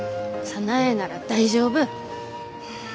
早苗なら大丈夫！